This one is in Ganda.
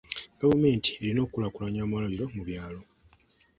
Gavumenti erina okukulaakulanya amalwaliro mu byalo.